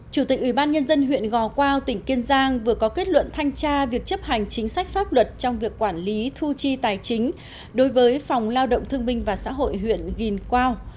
chủ tịch ubnd huyện gò quao tỉnh kiên giang vừa có kết luận thanh tra việc chấp hành chính sách pháp luật trong việc quản lý thu chi tài chính đối với phòng lao động thương minh và xã hội huyện gìn quao